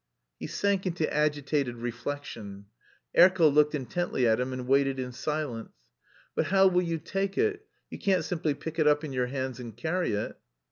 He sank into agitated reflection. Erkel looked intently at him and waited in silence. "But how will you take it? You can't simply pick it up in your hands and carry it."